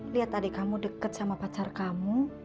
liat adik kamu deket sama pacar kamu